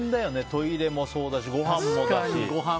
トイレもそうだし、ごはんもだし。